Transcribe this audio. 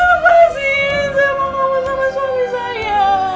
lepasin saya tidak mau telepon suami saya